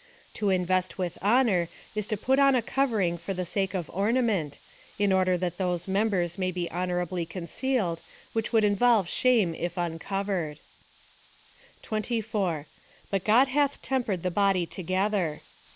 To invest with honour is to put on a covering for the sake of ornament, in order that those members may be honourably concealed, which would involve shame if uncovered.^ 24. But God hath tempered the body together.